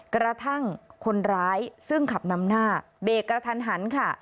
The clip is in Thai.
กระทั่งคนร้ายซึ่งขับนำหน้าเบรกกระทันหันค่ะ